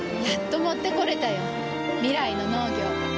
やっと持ってこれたよ。未来の農業。